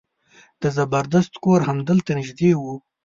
د زبردست کور همدلته نژدې و.